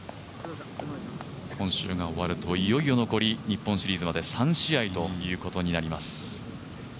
今週が終わると、いよいよ残り日本シリーズまで３試合となります。